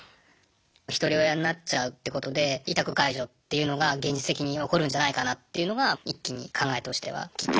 ひとり親になっちゃうってことで委託解除っていうのが現実的に起こるんじゃないかなっていうのが一気に考えとしては来て。